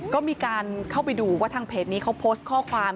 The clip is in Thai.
ก็มีการเข้าไปดูว่าทางเพจนี้เขาโพสต์ข้อความ